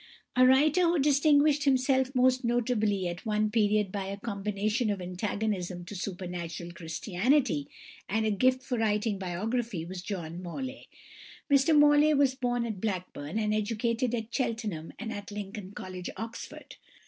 A writer who distinguished himself most notably at one period by a combination of antagonism to Supernatural Christianity, and a gift for writing biography, was =John Morley (1838 )=. Mr Morley was born at Blackburn, and educated at Cheltenham and at Lincoln College, Oxford.